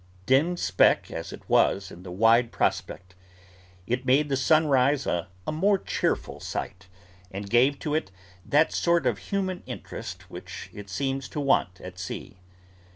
Dim speck as it was in the wide prospect, it made the sunrise a more cheerful sight, and gave to it that sort of human interest which it seems to want at sea.